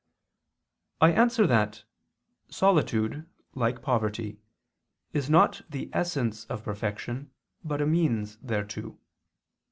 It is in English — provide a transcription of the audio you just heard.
I answer that, Solitude, like poverty, is not the essence of perfection, but a means thereto.